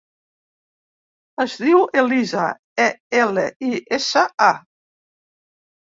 Es diu Elisa: e, ela, i, essa, a.